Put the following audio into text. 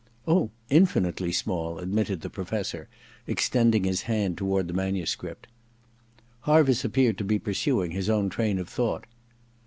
* Oh, infinitely small,' admitted the Professor, extending his hand toward the manuscript. Harviss appeared to be pursuing his own train of thought.